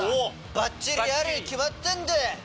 ばっちりあるに決まってんだ！